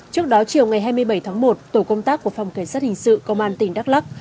trước đó chiều ngày hai mươi bảy tháng một tổ công tác của phòng cảnh sát hình sự công an tỉnh đắk lắc